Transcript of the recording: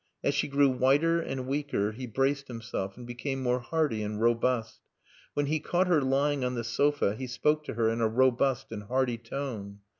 As she grew whiter and weaker he braced himself, and became more hearty and robust. When he caught her lying on the sofa he spoke to her in a robust and hearty tone.